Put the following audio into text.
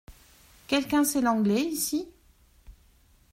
Quelqu’un sait l’anglais ici ?